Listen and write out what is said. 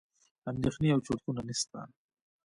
اندېښنې او چورتونه نسته.